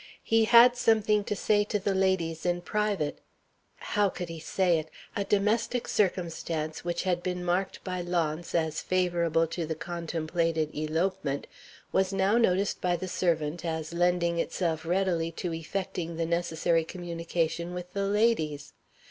He had something to say to the ladies in private. How could he say it? A domestic circumstance which had been marked by Launce, as favorable to the contemplated elopement, was now noticed by the servant as lending itself readily to effecting the necessary communication with the ladies.